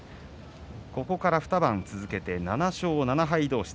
ここから２番続けて７勝７敗同士。